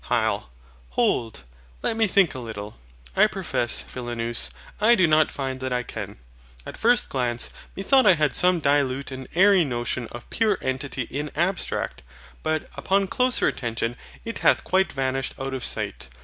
HYL. Hold, let me think a little I profess, Philonous, I do not find that I can. At first glance, methought I had some dilute and airy notion of Pure Entity in abstract; but, upon closer attention, it hath quite vanished out of sight.